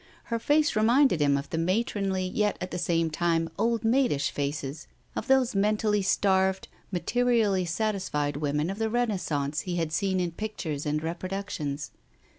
Her face reminded him of the matronly yet at the same time old maidish faces of those mentally starved, materially satisfied women of the Renaissance he had seen in pictures and reproductions.